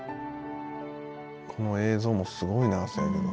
「この映像もすごいなせやけど」